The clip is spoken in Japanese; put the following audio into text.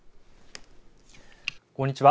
こんにちは。